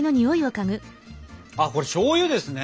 あっこれしょうゆですね？